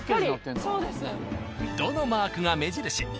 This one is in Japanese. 「ド」のマークが目印。